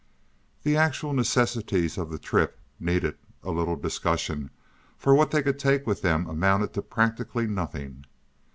The actual necessities of the trip needed a little discussion, for what they could take with them amounted to practically nothing.